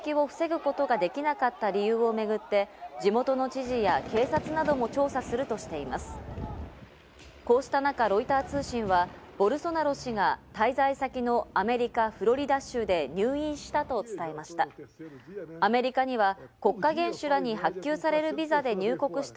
こうした中、ロイター通信はボルソナロ氏が滞在先のアメリカ・フロリダ州で入院したと伝えました。